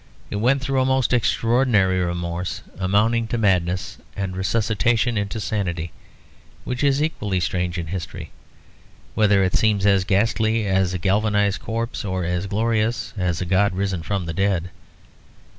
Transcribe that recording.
It went through a most extraordinary remorse amounting to madness and resuscitation into sanity, which is equally strange in history whether it seems as ghastly as a galvanised corpse or as glorious as a god risen from the dead.